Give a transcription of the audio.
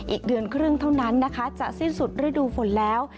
อีกเดือนครึ่งเท่านั้นนะคะจะสิ้นสุดฤดูฝนแล้ว